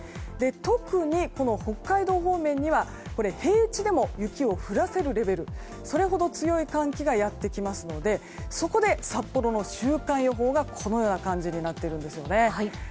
特に、北海道方面には平地でも雪を降らせるレベルそれほど強い寒気がやってきますのでそこで、札幌の週間予報がこのような感じになっています。